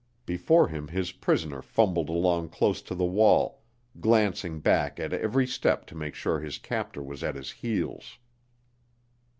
Before him his prisoner fumbled along close to the wall, glancing back at every step to make sure his captor was at his heels.